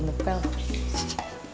tidak gue mau